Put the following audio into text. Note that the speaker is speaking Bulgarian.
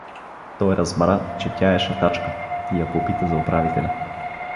Той разбра, че тя е шътачка, и я попита за управителя.